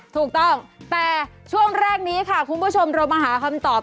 ถูกต้องแต่ช่วงแรกนี้ค่ะคุณผู้ชมเรามาหาคำตอบ